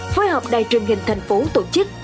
phối hợp đài truyền hình thành phố tổ chức